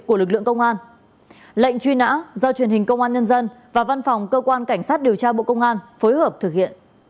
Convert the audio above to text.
cảm ơn các bạn đã theo dõi và hẹn gặp lại